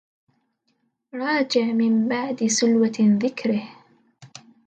راجع من بعد سلوة ذكره